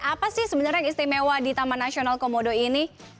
apa sih sebenarnya yang istimewa di taman nasional komodo ini